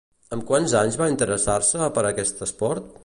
Amb quants anys va interessar-se per aquest esport?